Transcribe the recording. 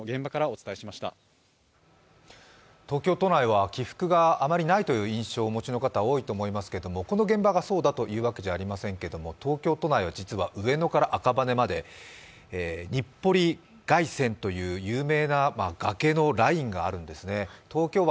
東京都内は起伏がないというイメージをお持ちの方が多いと思いますけれども、この現場がそうだというわけじゃありませんけれども、東京都内は実は上野から赤羽まで日暮里がいせんという有名な崖のラインがあるんです。